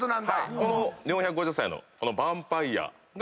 この４５０歳のバンパイアが。